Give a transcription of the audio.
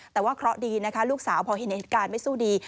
แต่ว่าเคราะห์ดีนะคะลูกสาวพอเห็นเหตุการณ์ไม่สู้ดี